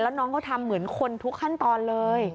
แล้วน้องเขาทำเหมือนคนทุกขั้นตอนเลย